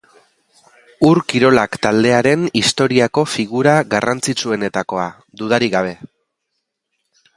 Ur-Kirolak taldearen historiako figura garrantzitsuenetakoa, dudarik gabe.